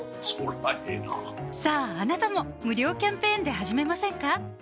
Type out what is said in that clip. そりゃええなさぁあなたも無料キャンペーンで始めませんか？